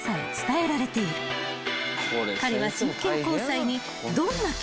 ［彼は］